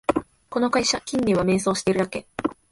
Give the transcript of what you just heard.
この会社、近年は迷走してるだけ